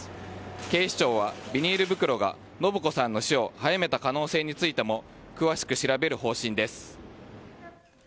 警視庁はビニール袋が延子さんの死を早めた可能性についても詳しく調べる方針です。